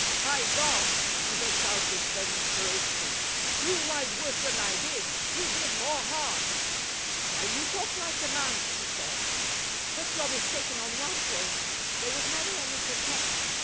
By God!" he burst out with sudden ferocity, "you lied worse than I did. You did more harm." "Now you talk like a man," she said. "But you're mistaken on one point. There was never any contempt.